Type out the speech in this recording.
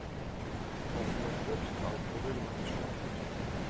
ახასიათებს ალპური ლანდშაფტი.